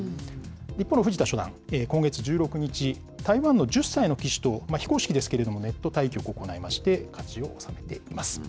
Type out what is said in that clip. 一方の藤田初段、今月１６日、台湾の１０歳の棋士と、非公式ですけれども、ネット対局を行いまして、勝ちを収めています。